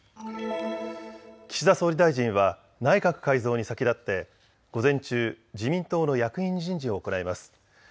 岸田総理大臣は内閣改造に先立って午前中、自民党の役員人事を行います。